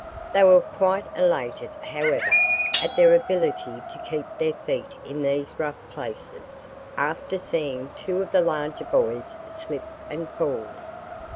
They were quite elated, however, at their ability to keep their feet in these rough places, after seeing two of the larger boys slip and fall.